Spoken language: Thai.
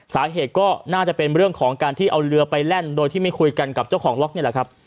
สาเหตุก็น่าจะเป็นเรื่องของการที่เอาเรือไปแล่นโดยที่ไม่คุยกันกับเจ้าของล็อกนี่แหละครับ